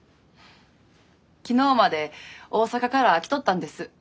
昨日まで大阪から来とったんです。